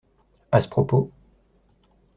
À ce propos.